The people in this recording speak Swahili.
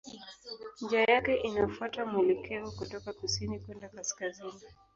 Njia yake inafuata mwelekeo kutoka kusini kwenda kaskazini.